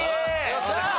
よっしゃー！